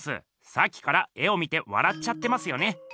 さっきから絵を見てわらっちゃってますよね。